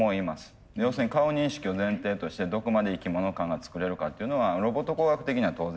要するに顔認識を前提としてどこまで生き物感が作れるかっていうのはロボット工学的には当然ありえるんだけど今回の授業としては